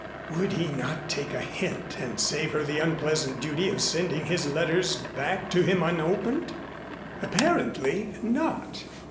Would he not take a hint and save her the unpleasant duty of sending his letters back to him unopened? Apparently not!